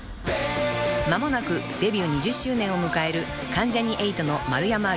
［間もなくデビュー２０周年を迎える関ジャニ∞の丸山隆平さん］